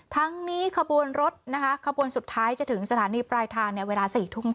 ทั้งนี้ขบวนรถนะคะขบวนสุดท้ายจะถึงสถานีปลายทางเวลา๔ทุ่ม